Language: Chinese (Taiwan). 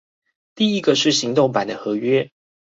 第一個是行動版的合約